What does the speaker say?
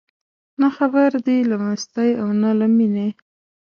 نه خبر دي له مستۍ او نه له مینې